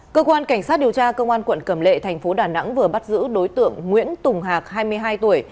cơ quan cảnh sát điều tra công an quận cầm lệ thành phố đà nẵng vừa bắt giữ đối tượng nguyễn tùng hạc hai mươi hai tuổi